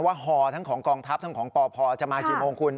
ฮอทั้งของกองทัพทั้งของปพจะมากี่โมงคุณ